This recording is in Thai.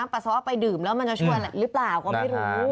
ปัสสาวะไปดื่มแล้วมันจะช่วยอะไรหรือเปล่าก็ไม่รู้